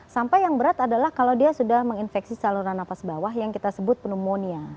sampai yang berat adalah kalau dia sudah menginfeksi saluran nafas bawah yang kita sebut pneumonia